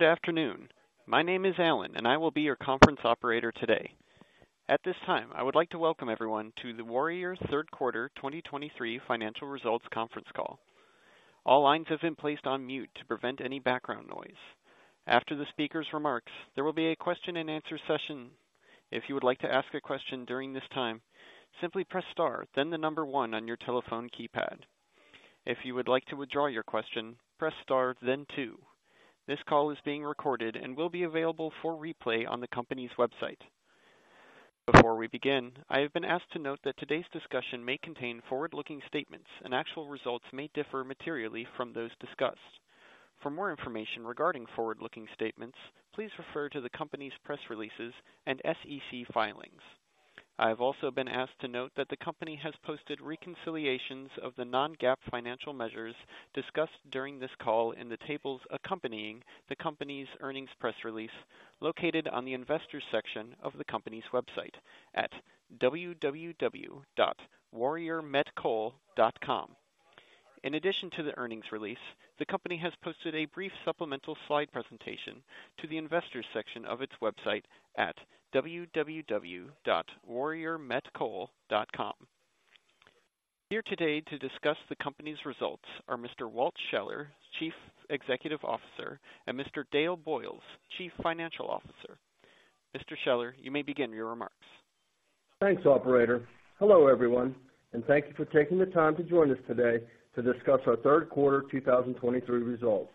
Good afternoon. My name is Alan, and I will be your conference operator today. At this time, I would like to welcome everyone to the Warrior Third Quarter 2023 Financial Results Conference Call. All lines have been placed on mute to prevent any background noise. After the speaker's remarks, there will be a question-and-answer session. If you would like to ask a question during this time, simply press star, then the number one on your telephone keypad. If you would like to withdraw your question, press star, then two. This call is being recorded and will be available for replay on the company's website. Before we begin, I have been asked to note that today's discussion may contain forward-looking statements, and actual results may differ materially from those discussed. For more information regarding forward-looking statements, please refer to the company's press releases and SEC filings. I have also been asked to note that the company has posted reconciliations of the non-GAAP financial measures discussed during this call in the tables accompanying the company's earnings press release, located on the Investors section of the company's website at www.warriormetcoal.com. In addition to the earnings release, the company has posted a brief supplemental slide presentation to the Investors section of its website at www.warriormetcoal.com. Here today to discuss the company's results are Mr. Walt Scheller, Chief Executive Officer, and Mr. Dale Boyles, Chief Financial Officer. Mr. Scheller, you may begin your remarks. Thanks, operator. Hello, everyone, and thank you for taking the time to join us today to discuss our third quarter 2023 results.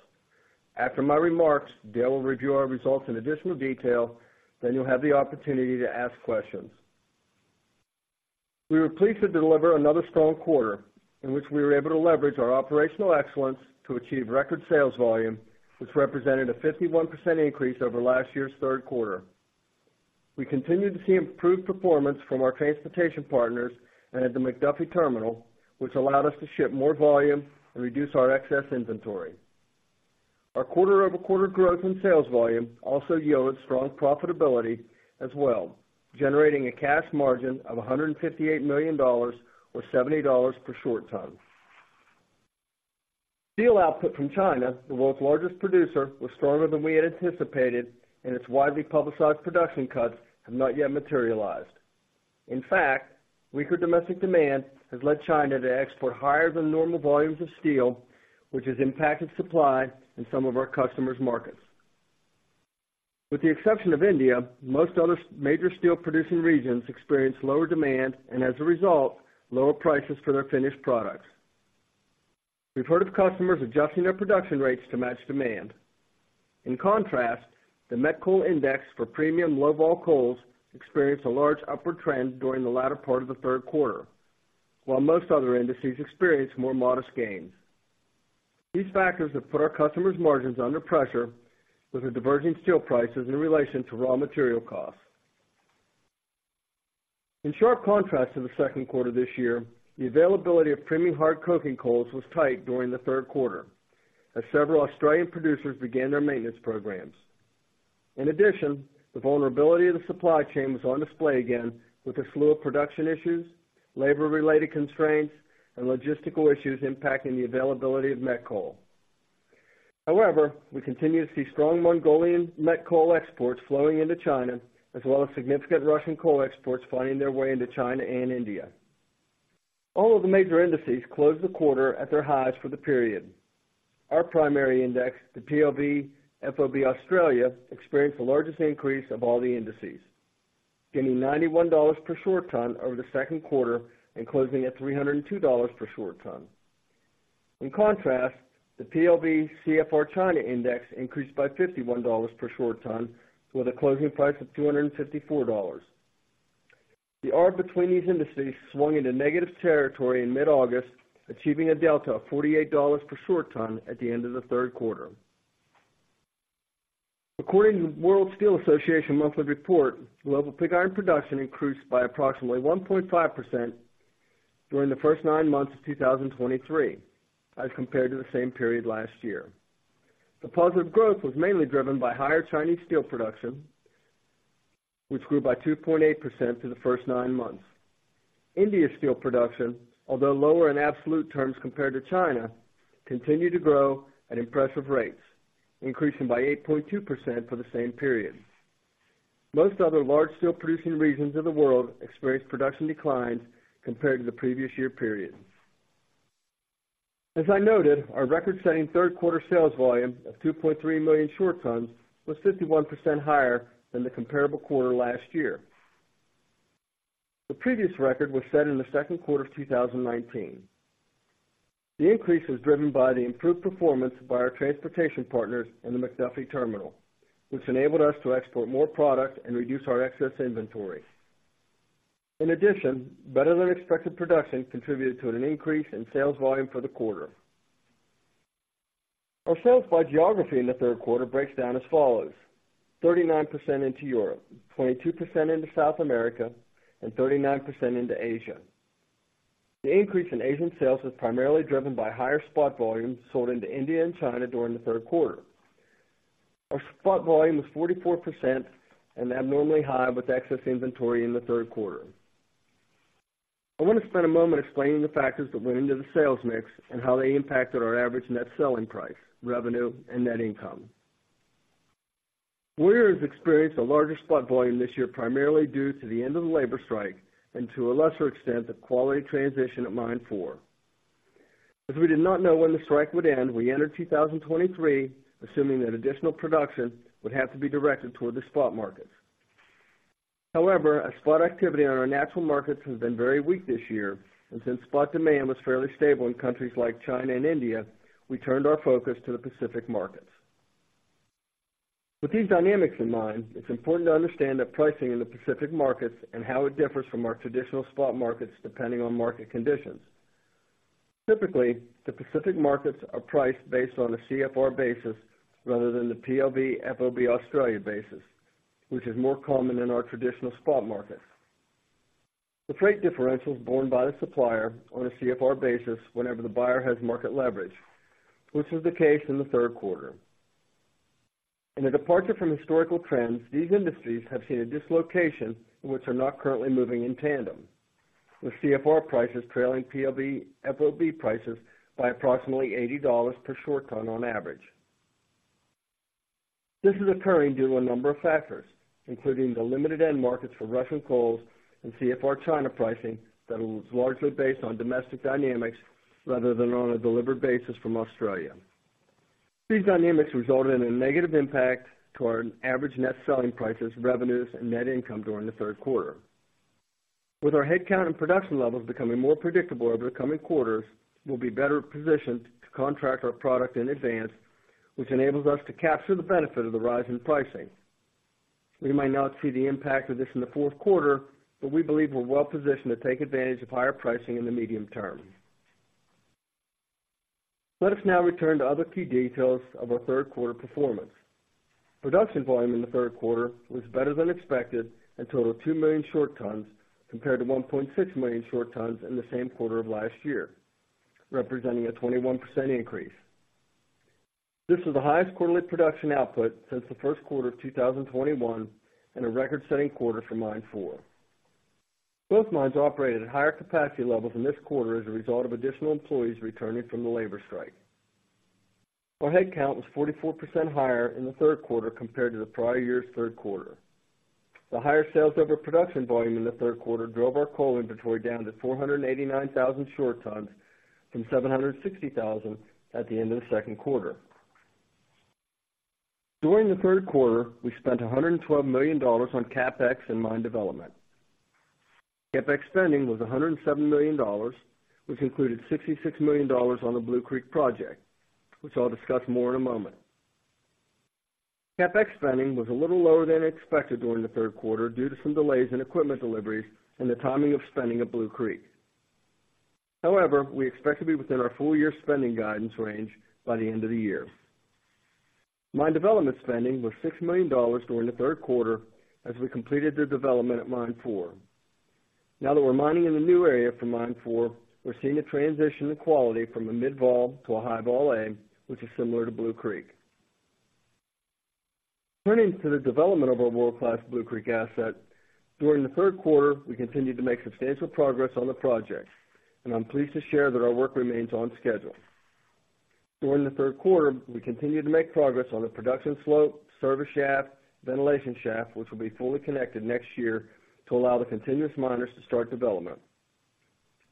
After my remarks, Dale will review our results in additional detail, then you'll have the opportunity to ask questions. We were pleased to deliver another strong quarter in which we were able to leverage our operational excellence to achieve record sales volume, which represented a 51% increase over last year's third quarter. We continued to see improved performance from our transportation partners and at the McDuffie Terminal, which allowed us to ship more volume and reduce our excess inventory. Our quarter-over-quarter growth in sales volume also yielded strong profitability as well, generating a cash margin of $158 million or $70 per short ton. Steel output from China, the world's largest producer, was stronger than we had anticipated, and its widely publicized production cuts have not yet materialized. In fact, weaker domestic demand has led China to export higher than normal volumes of steel, which has impacted supply in some of our customers' markets. With the exception of India, most other major steel-producing regions experienced lower demand and, as a result, lower prices for their finished products. We've heard of customers adjusting their production rates to match demand. In contrast, the met coal index for premium low-vol coals experienced a large upward trend during the latter part of the third quarter, while most other indices experienced more modest gains. These factors have put our customers' margins under pressure with the diverging steel prices in relation to raw material costs. In sharp contrast to the second quarter this year, the availability of premium hard coking coals was tight during the third quarter as several Australian producers began their maintenance programs. In addition, the vulnerability of the supply chain was on display again, with a slew of production issues, labor-related constraints, and logistical issues impacting the availability of met coal. However, we continue to see strong Mongolian met coal exports flowing into China, as well as significant Russian coal exports finding their way into China and India. All of the major indices closed the quarter at their highs for the period. Our primary index, the PLV FOB Australia, experienced the largest increase of all the indices, gaining $91 per short ton over the second quarter and closing at $302 per short ton. In contrast, the PLV CFR China Index increased by $51 per short ton, with a closing price of $254. The arb between these indices swung into negative territory in mid-August, achieving a delta of $48 per short ton at the end of the third quarter. According to the World Steel Association monthly report, global pig iron production increased by approximately 1.5% during the first nine months of 2023 as compared to the same period last year. The positive growth was mainly driven by higher Chinese steel production, which grew by 2.8% through the first nine months. India's steel production, although lower in absolute terms compared to China, continued to grow at impressive rates, increasing by 8.2% for the same period. Most other large steel-producing regions of the world experienced production declines compared to the previous year period. As I noted, our record-setting third quarter sales volume of 2.3 million short tons was 51% higher than the comparable quarter last year. The previous record was set in the second quarter of 2019. The increase was driven by the improved performance by our transportation partners in the McDuffie Terminal, which enabled us to export more product and reduce our excess inventory. In addition, better-than-expected production contributed to an increase in sales volume for the quarter. Our sales by geography in the third quarter breaks down as follows: 39% into Europe, 22% into South America, and 39% into Asia. The increase in Asian sales was primarily driven by higher spot volumes sold into India and China during the third quarter. Our spot volume was 44% and abnormally high with excess inventory in the third quarter. I want to spend a moment explaining the factors that went into the sales mix and how they impacted our average net selling price, revenue, and net income. Warrior has experienced a larger spot volume this year, primarily due to the end of the labor strike and, to a lesser extent, the quality transition at Mine No. 4. As we did not know when the strike would end, we entered 2023 assuming that additional production would have to be directed toward the spot markets. However, as spot activity on our natural markets has been very weak this year, and since spot demand was fairly stable in countries like China and India, we turned our focus to the Pacific markets. With these dynamics in mind, it's important to understand that pricing in the Pacific markets and how it differs from our traditional spot markets, depending on market conditions. Typically, the Pacific markets are priced based on a CFR basis rather than the PLV FOB Australia basis, which is more common in our traditional spot markets. The freight differential is borne by the supplier on a CFR basis whenever the buyer has market leverage, which was the case in the third quarter. In a departure from historical trends, these indices have seen a dislocation which are not currently moving in tandem, with CFR prices trailing PLV FOB prices by approximately $80 per short ton on average. This is occurring due to a number of factors, including the limited end markets for Russian coals and CFR China pricing that was largely based on domestic dynamics rather than on a delivered basis from Australia. These dynamics resulted in a negative impact to our average net selling prices, revenues, and net income during the third quarter. With our headcount and production levels becoming more predictable over the coming quarters, we'll be better positioned to contract our product in advance, which enables us to capture the benefit of the rise in pricing. We might not see the impact of this in the fourth quarter, but we believe we're well positioned to take advantage of higher pricing in the medium term. Let us now return to other key details of our third quarter performance. Production volume in the third quarter was better than expected and totaled 2 million short tons, compared to 1.6 million short tons in the same quarter of last year, representing a 21% increase. This is the highest quarterly production output since the first quarter of 2021, and a record-setting quarter for Mine No. 4. Both mines operated at higher capacity levels in this quarter as a result of additional employees returning from the labor strike. Our headcount was 44% higher in the third quarter compared to the prior year's third quarter. The higher sales over production volume in the third quarter drove our coal inventory down to 489,000 short tons, from 760,000 at the end of the second quarter. During the third quarter, we spent $112 million on CapEx and mine development. CapEx spending was $107 million, which included $66 million on the Blue Creek project, which I'll discuss more in a moment. CapEx spending was a little lower than expected during the third quarter due to some delays in equipment deliveries and the timing of spending at Blue Creek. However, we expect to be within our full-year spending guidance range by the end of the year. Mine development spending was $6 million during the third quarter as we completed the development at Mine No. 4. Now that we're mining in the new area for Mine No. 4, we're seeing a transition in quality from a Mid-Vol to a High-Vol A, which is similar to Blue Creek. Turning to the development of our world-class Blue Creek asset, during the third quarter, we continued to make substantial progress on the project, and I'm pleased to share that our work remains on schedule. During the third quarter, we continued to make progress on the production slope, service shaft, ventilation shaft, which will be fully connected next year to allow the continuous miners to start development.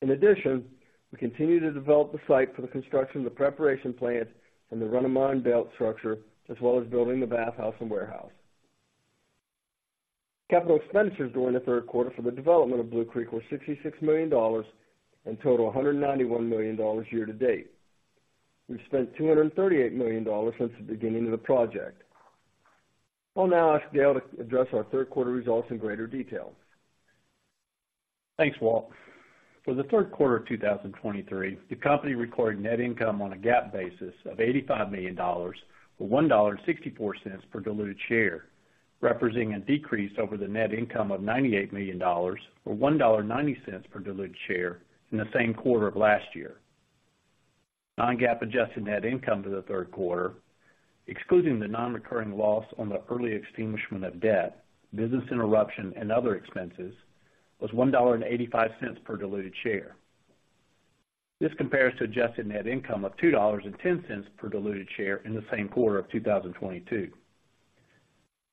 In addition, we continue to develop the site for the construction of the preparation plant and the run-of-mine belt structure, as well as building the bathhouse and warehouse. Capital expenditures during the third quarter for the development of Blue Creek were $66 million and total $191 million year to date. We've spent $238 million since the beginning of the project. I'll now ask Dale to address our third quarter results in greater detail. Thanks, Walt. For the third quarter of 2023, the company recorded net income on a GAAP basis of $85 million, or $1.64 per diluted share, representing a decrease over the net income of $98 million, or $1.90 per diluted share in the same quarter of last year. Non-GAAP adjusted net income for the third quarter, excluding the non-recurring loss on the early extinguishment of debt, business interruption and other expenses, was $1.85 per diluted share. This compares to adjusted net income of $2.10 per diluted share in the same quarter of 2022.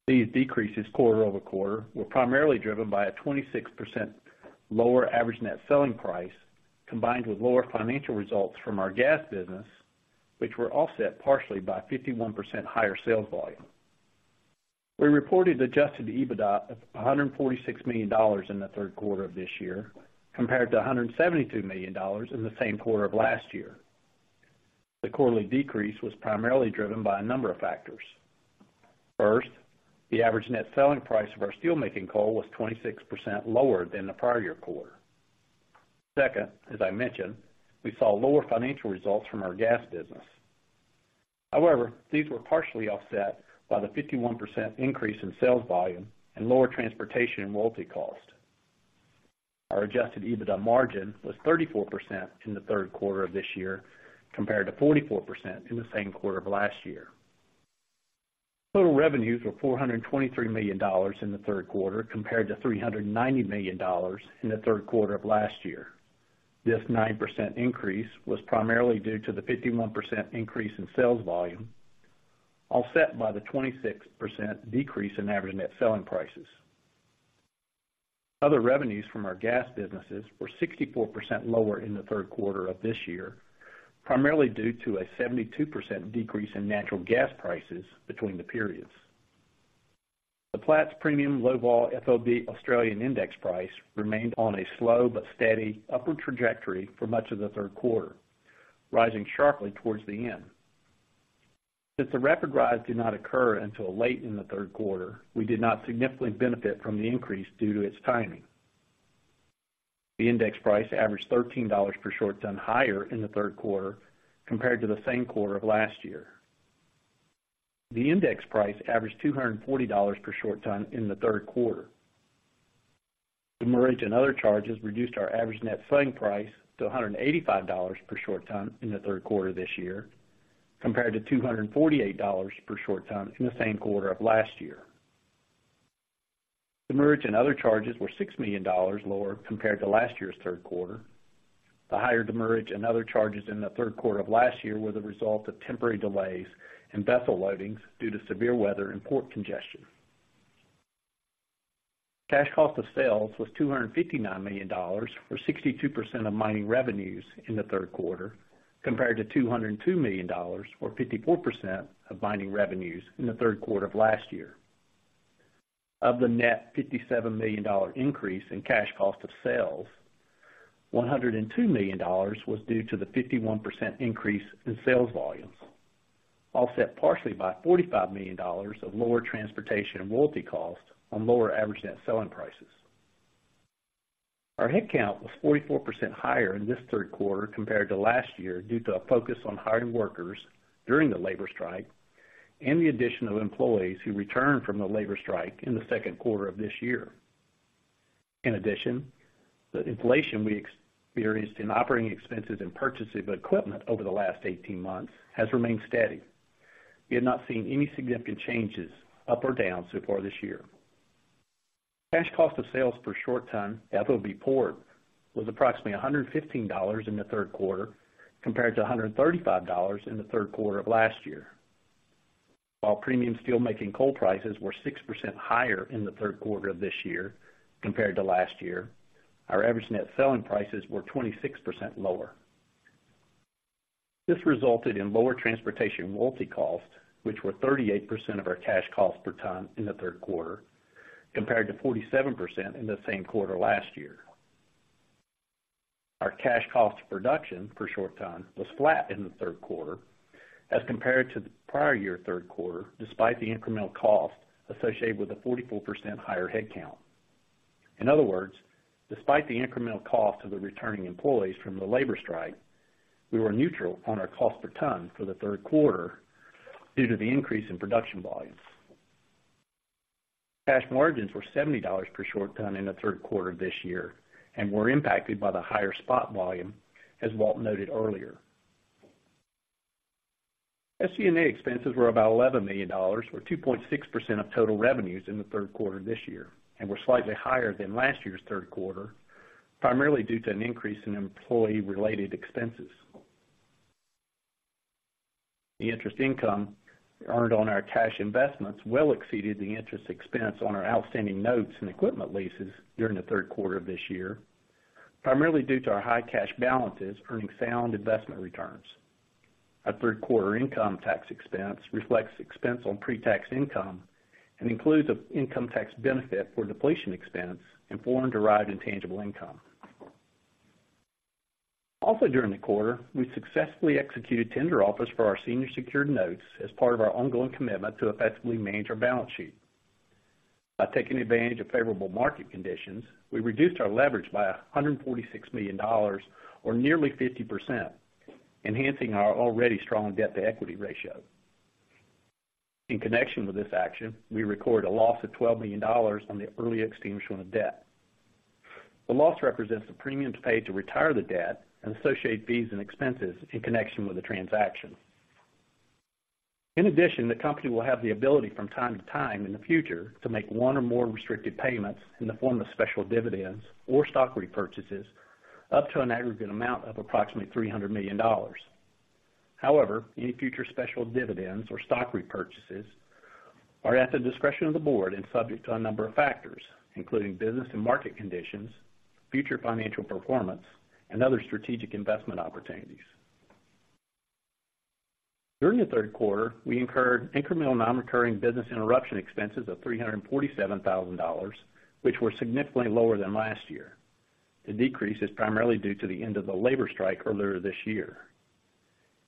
These decreases quarter-over-quarter were primarily driven by a 26% lower average net selling price, combined with lower financial results from our gas business, which were offset partially by 51% higher sales volume. We reported Adjusted EBITDA of $146 million in the third quarter of this year, compared to $172 million in the same quarter of last year. The quarterly decrease was primarily driven by a number of factors. First, the average net selling price of our steelmaking coal was 26% lower than the prior-year quarter. Second, as I mentioned, we saw lower financial results from our gas business. However, these were partially offset by the 51% increase in sales volume and lower transportation and royalty cost. Our adjusted EBITDA margin was 34% in the third quarter of this year, compared to 44% in the same quarter of last year. Total revenues were $423 million in the third quarter, compared to $390 million in the third quarter of last year. This 9% increase was primarily due to the 51% increase in sales volume, offset by the 26% decrease in average net selling prices. Other revenues from our gas businesses were 64% lower in the third quarter of this year, primarily due to a 72% decrease in natural gas prices between the periods. The Platts premium low-vol FOB Australian index price remained on a slow but steady upward trajectory for much of the third quarter, rising sharply towards the end. Since the rapid rise did not occur until late in the third quarter, we did not significantly benefit from the increase due to its timing. The index price averaged $13 per short ton higher in the third quarter compared to the same quarter of last year. The index price averaged $240 per short ton in the third quarter. Demurrage and other charges reduced our average net selling price to $185 per short ton in the third quarter this year, compared to $248 per short ton in the same quarter of last year. Demurrage and other charges were $6 million lower compared to last year's third quarter. The higher demurrage and other charges in the third quarter of last year were the result of temporary delays in vessel loadings due to severe weather and port congestion. Cash cost of sales was $259 million, or 62% of mining revenues in the third quarter, compared to $202 million, or 54% of mining revenues in the third quarter of last year. Of the net $57 million increase in cash cost of sales, $102 million was due to the 51% increase in sales volumes, offset partially by $45 million of lower transportation and royalty costs on lower average net selling prices. Our headcount was 44% higher in this third quarter compared to last year, due to a focus on hiring workers during the labor strike and the addition of employees who returned from the labor strike in the second quarter of this year. In addition, the inflation we experienced in operating expenses and purchases of equipment over the last 18 months has remained steady. We have not seen any significant changes, up or down, so far this year. Cash cost of sales per short ton FOB port was approximately $115 in the third quarter, compared to $135 in the third quarter of last year. While premium steelmaking coal prices were 6% higher in the third quarter of this year compared to last year, our average net selling prices were 26% lower. This resulted in lower transportation royalty costs, which were 38% of our cash cost per ton in the third quarter, compared to 47% in the same quarter last year. Our cash cost of production per short ton was flat in the third quarter as compared to the prior year third quarter, despite the incremental cost associated with the 44% higher headcount. In other words, despite the incremental cost of the returning employees from the labor strike, we were neutral on our cost per ton for the third quarter due to the increase in production volumes. Cash margins were $70 per short ton in the third quarter this year and were impacted by the higher spot volume, as Walt noted earlier. SG&A expenses were about $11 million, or 2.6% of total revenues in the third quarter this year, and were slightly higher than last year's third quarter, primarily due to an increase in employee-related expenses. The interest income earned on our cash investments well exceeded the interest expense on our outstanding notes and equipment leases during the third quarter of this year, primarily due to our high cash balances earning sound investment returns. Our third quarter income tax expense reflects expense on pre-tax income and includes the income tax benefit for depletion expense and foreign-derived intangible income. Also, during the quarter, we successfully executed tender offers for our senior secured notes as part of our ongoing commitment to effectively manage our balance sheet. By taking advantage of favorable market conditions, we reduced our leverage by $146 million, or nearly 50%, enhancing our already strong debt-to-equity ratio. In connection with this action, we recorded a loss of $12 million on the early extinguishment of debt. The loss represents the premiums paid to retire the debt and associated fees and expenses in connection with the transaction. In addition, the company will have the ability, from time to time in the future, to make one or more restricted payments in the form of special dividends or stock repurchases, up to an aggregate amount of approximately $300 million. However, any future special dividends or stock repurchases are at the discretion of the board and subject to a number of factors, including business and market conditions, future financial performance, and other strategic investment opportunities. During the third quarter, we incurred incremental non-recurring business interruption expenses of $347,000, which were significantly lower than last year. The decrease is primarily due to the end of the labor strike earlier this year.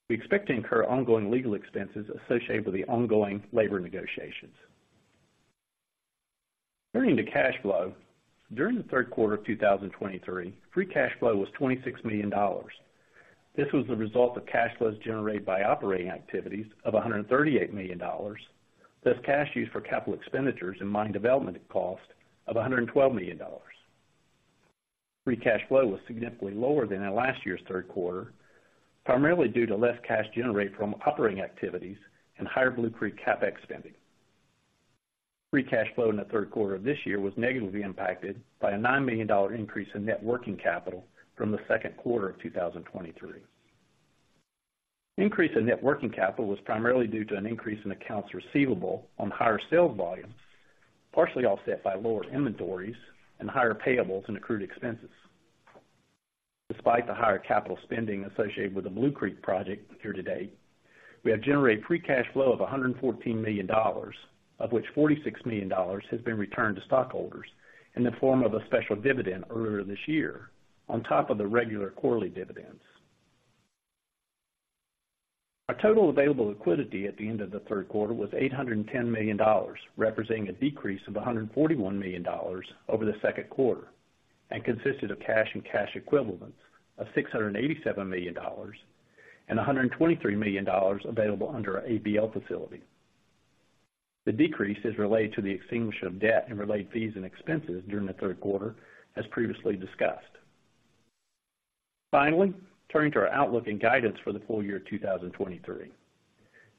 We expect to incur ongoing legal expenses associated with the ongoing labor negotiations. Turning to cash flow. During the third quarter of 2023, free cash flow was $26 million. This was the result of cash flows generated by operating activities of $138 million, plus cash used for capital expenditures and mine development cost of $112 million. Free cash flow was significantly lower than in last year's third quarter, primarily due to less cash generated from operating activities and higher Blue Creek CapEx spending. Free cash flow in the third quarter of this year was negatively impacted by a $9 million increase in net working capital from the second quarter of 2023. Increase in net working capital was primarily due to an increase in accounts receivable on higher sales volumes, partially offset by lower inventories and higher payables and accrued expenses. Despite the higher capital spending associated with the Blue Creek project year to date, we have generated free cash flow of $114 million, of which $46 million has been returned to stockholders in the form of a special dividend earlier this year, on top of the regular quarterly dividends. Our total available liquidity at the end of the third quarter was $810 million, representing a decrease of $141 million over the second quarter, and consisted of cash and cash equivalents of $687 million and $123 million available under our ABL Facility. The decrease is related to the extinguishment of debt and related fees and expenses during the third quarter, as previously discussed. Finally, turning to our outlook and guidance for the full year 2023.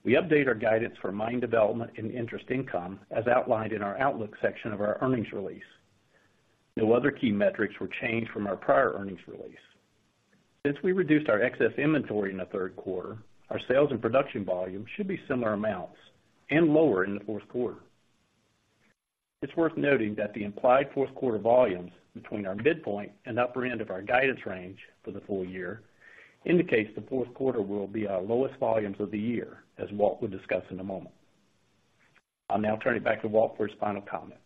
We update our guidance for mine development and interest income as outlined in our outlook section of our earnings release. No other key metrics were changed from our prior earnings release. Since we reduced our excess inventory in the third quarter, our sales and production volume should be similar amounts and lower in the fourth quarter. It's worth noting that the implied fourth quarter volumes between our midpoint and upper end of our guidance range for the full year indicates the fourth quarter will be our lowest volumes of the year, as Walt will discuss in a moment. I'll now turn it back to Walt for his final comments.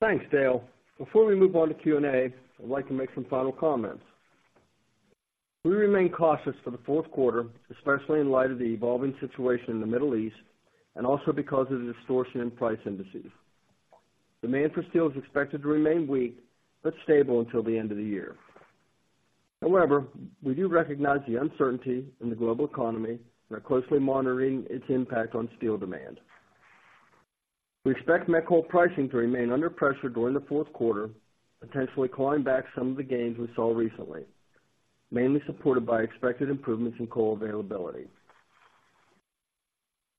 Thanks, Dale. Before we move on to Q&A, I'd like to make some final comments. We remain cautious for the fourth quarter, especially in light of the evolving situation in the Middle East, and also because of the distortion in price indices. Demand for steel is expected to remain weak, but stable until the end of the year. However, we do recognize the uncertainty in the global economy and are closely monitoring its impact on steel demand. We expect met coal pricing to remain under pressure during the fourth quarter, potentially clawing back some of the gains we saw recently, mainly supported by expected improvements in coal availability.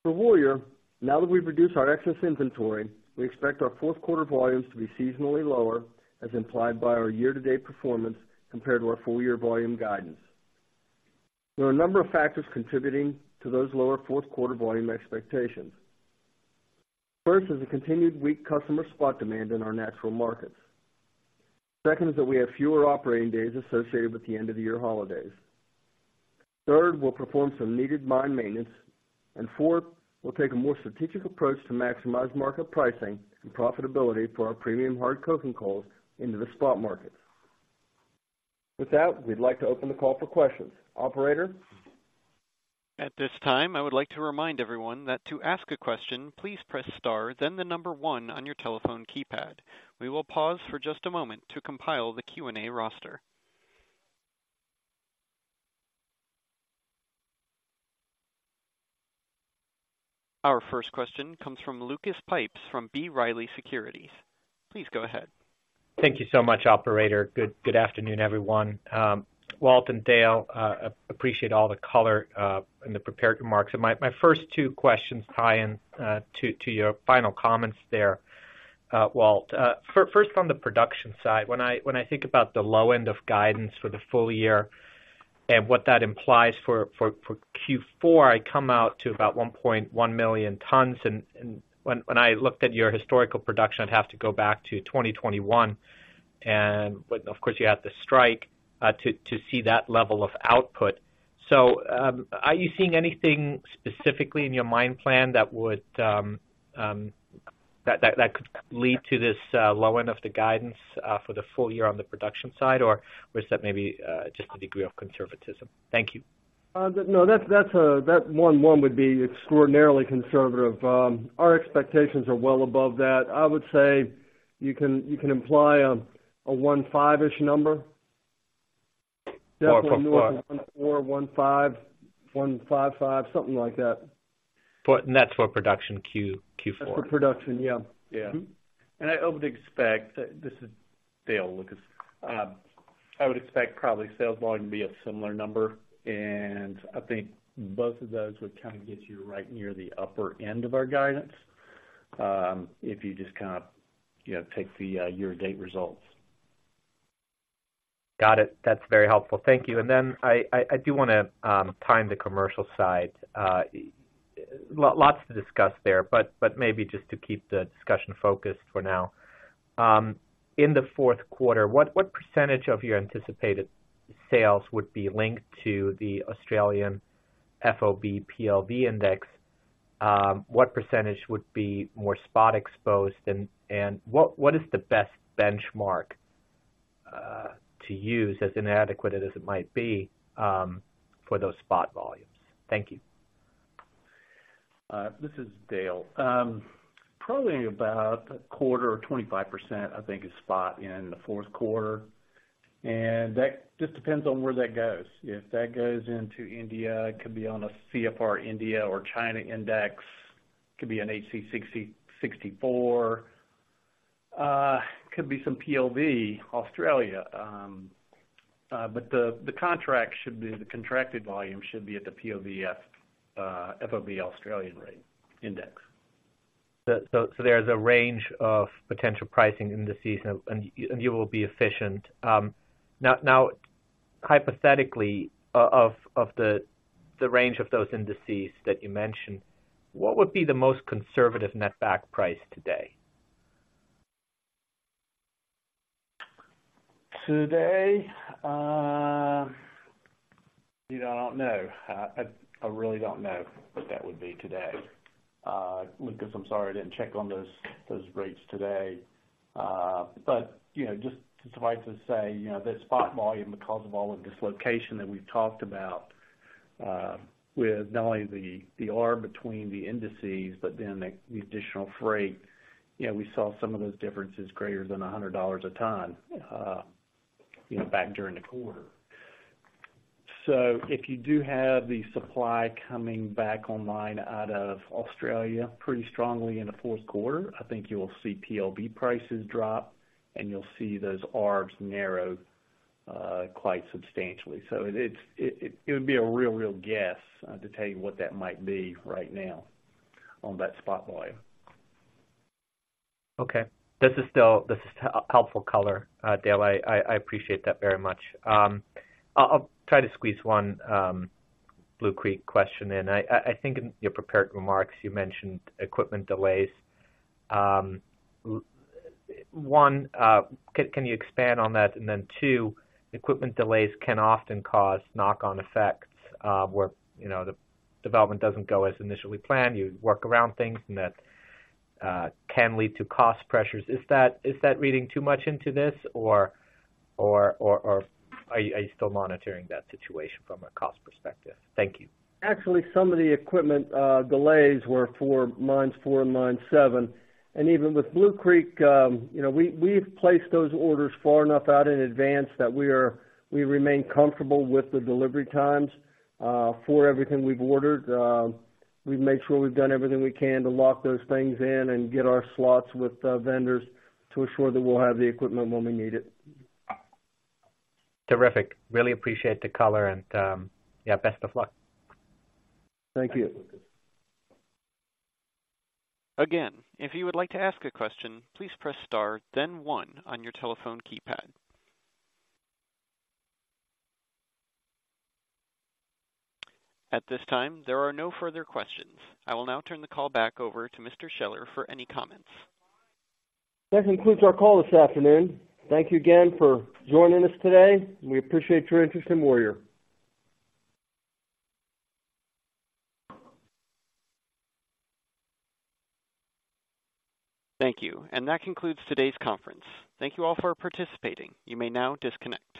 For Warrior, now that we've reduced our excess inventory, we expect our fourth quarter volumes to be seasonally lower, as implied by our year-to-date performance compared to our full year volume guidance. There are a number of factors contributing to those lower fourth quarter volume expectations. First is the continued weak customer spot demand in our natural markets. Second, is that we have fewer operating days associated with the end-of-the-year holidays. Third, we'll perform some needed mine maintenance. And fourth, we'll take a more strategic approach to maximize market pricing and profitability for our premium hard coking coals into the spot market. With that, we'd like to open the call for questions. Operator? At this time, I would like to remind everyone that to ask a question, please press star, then one on your telephone keypad. We will pause for just a moment to compile the Q&A roster. Our first question comes from Lucas Pipes from B. Riley Securities. Please go ahead. Thank you so much, operator. Good afternoon, everyone. Walt and Dale, I appreciate all the color and the prepared remarks. So my first two questions tie in to your final comments there, Walt. First, on the production side, when I think about the low end of guidance for the full year and what that implies for Q4, I come out to about 1.1 million tons. And when I looked at your historical production, I'd have to go back to 2021, but, of course, you had the strike to see that level of output. Are you seeing anything specifically in your mine plan that would, that could lead to this low end of the guidance for the full year on the production side? Or was that maybe just a degree of conservatism? Thank you. No, that's, that's... that 1.1 would be extraordinarily conservative. Our expectations are well above that. I would say you can, you can imply a 1.5-ish number. Definitely more from 1.4, 1.5, 1.55, something like that. And that's for production Q4. That's for production, yeah. Yeah. Mm-hmm. I would expect, this is Dale, Lucas. I would expect probably sales volume to be a similar number, and I think both of those would kind of get you right near the upper end of our guidance, if you just kind of, you know, take the year-to-date results. Got it. That's very helpful. Thank you. And then I do wanna time the commercial side. Lots to discuss there, but maybe just to keep the discussion focused for now. In the fourth quarter, what percentage of your anticipated sales would be linked to the Australian FOB PLV index? What percentage would be more spot exposed? And what is the best benchmark to use, as inadequate as it might be, for those spot volumes? Thank you. This is Dale. Probably about a quarter or 25%, I think, is spot in the fourth quarter. And that just depends on where that goes. If that goes into India, it could be on a CFR India or China index, could be an HCC 64, could be some PLV Australia. But the contract should be, the contracted volume should be at the PLV FOB Australian rate index. So there's a range of potential pricing indices, and you will be efficient. Now, hypothetically, of the range of those indices that you mentioned, what would be the most conservative netback price today? Today, you know, I don't know. I really don't know what that would be today. Lucas, I'm sorry, I didn't check on those rates today. But, you know, just suffice to say, you know, that spot volume, because of all of this location that we've talked about, with not only the arb between the indices, but then the additional freight, you know, we saw some of those differences greater than $100 a ton, you know, back during the quarter. So if you do have the supply coming back online out of Australia pretty strongly in the fourth quarter, I think you'll see PLV prices drop, and you'll see those arbs narrow, quite substantially. So, it would be a real, real guess to tell you what that might be right now on that spot volume. Okay. This is still helpful color, Dale. I appreciate that very much. I'll try to squeeze one Blue Creek question in. I think in your prepared remarks, you mentioned equipment delays. One, can you expand on that? And then two, equipment delays can often cause knock-on effects, where you know, the development doesn't go as initially planned. You work around things, and that can lead to cost pressures. Is that reading too much into this, or are you still monitoring that situation from a cost perspective? Thank you. Actually, some of the equipment delays were for Mine No. 4 and Mine No. 7. Even with Blue Creek, you know, we've placed those orders far enough out in advance that we remain comfortable with the delivery times for everything we've ordered. We've made sure we've done everything we can to lock those things in and get our slots with the vendors to ensure that we'll have the equipment when we need it. Terrific. Really appreciate the color, and, yeah, best of luck. Thank you. Again, if you would like to ask a question, please press star, then one on your telephone keypad. At this time, there are no further questions. I will now turn the call back over to Mr. Scheller for any comments. That concludes our call this afternoon. Thank you again for joining us today. We appreciate your interest in Warrior. Thank you. That concludes today's conference. Thank you all for participating. You may now disconnect.